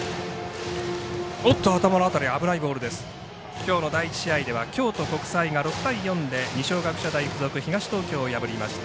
きょうの第１試合では京都国際高校が６対４で二松学舎大付属東東京を破りました。